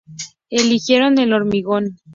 Eligieron el hormigón.